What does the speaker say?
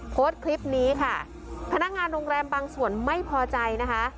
โพสต์คลิปนี้ค่ะพนักงานโรงแรมบางส่วนไม่พอใจนะคะ